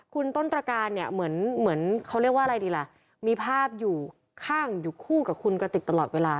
คุณต้นตรการเนี่ยเหมือนเหมือนเขาเรียกว่าอะไรดีล่ะมีภาพอยู่ข้างอยู่คู่กับคุณกระติกตลอดเวลา